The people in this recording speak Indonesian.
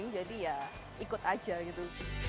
jadi ya ikut aja gitu